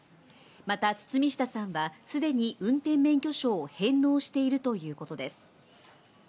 また、堤下さんはすでに運転免許証を返納しているということです。